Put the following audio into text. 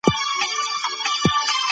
بریا مې په خپل نصیب کې ولیده.